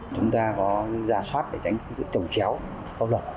chúng ta có gia soát để tránh sự trồng chéo khóc lợn